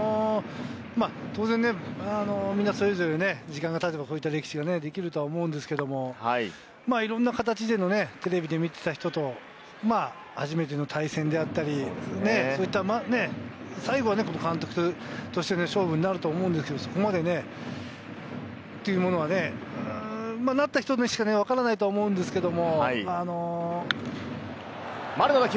当然みんなそれぞれ時間がたてば歴史ができると思うんですけれど、いろんな形でテレビで見てた人と初めての対戦であったり、最後は監督としての勝負になると思うんですけれど、そこまでっていうのはなった人にしかわからないと思うんですけれど。